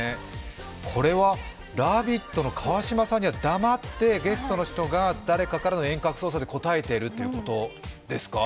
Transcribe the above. これは「ラヴィット！」の川島さんには黙ってゲストの人が誰かからの遠隔操作に答えているということですか。